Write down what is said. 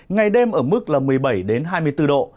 ngày đêm ở mức là một mươi bảy hai mươi bốn độ